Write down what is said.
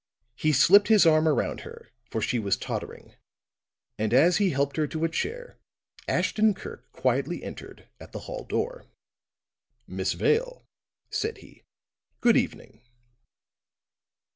He slipped his arm around her, for she was tottering; and as he helped her to a chair, Ashton Kirk quietly entered at the hall door. "Miss Vale," said he, "good evening."